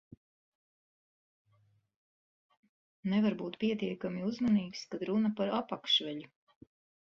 Nevar būt pietiekami uzmanīgs, kad runa par apakšveļu.